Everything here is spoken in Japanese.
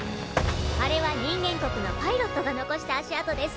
あれは人間国のパイロットが残した足跡です。